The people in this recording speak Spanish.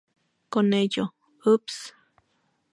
Con ello, "Oops!...